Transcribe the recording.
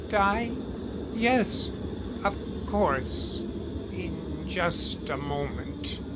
"Die? Yes of course. In just a moment...."